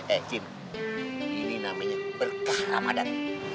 eh cin ini namanya berkah ramadan